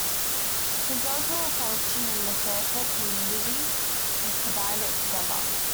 His overall function in the Fairport community is to bind it together.